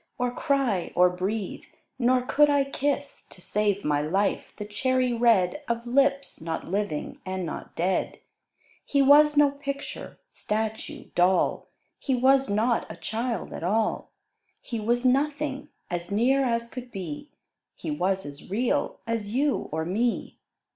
Or cry, or breathe, nor could I kiss, To save my life, the cherry red Of lips, not living and not dead! He was no picture, statue, doll; He was not a Child at all; He was Nothing, as near as could be, He was as real as you or me.